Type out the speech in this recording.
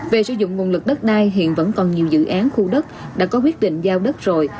về sử dụng nguồn lực đất đai hiện vẫn còn nhiều dự án khu đất đã có quyết định giao đất rồi